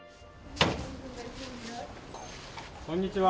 こんにちは。